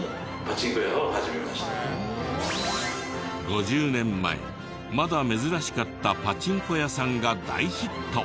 ５０年前まだ珍しかったパチンコ屋さんが大ヒット。